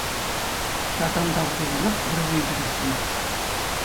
Ҫартан таврӑнсанах вӑрҫӑ ӳкерес килетчӗ.